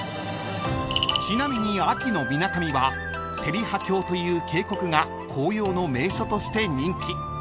［ちなみに秋のみなかみは照葉峡という渓谷が紅葉の名所として人気］